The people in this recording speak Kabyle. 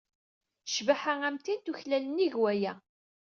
Ccbaḥa am tin tuklal nnig waya.